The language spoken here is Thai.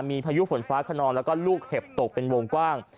มีพายุฝนฟ้าขนองแล้วก็ลูกเห็บตกเป็นวงกว้าง